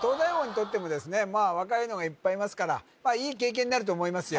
まあ若いのがいっぱいいますからいい経験になると思いますよ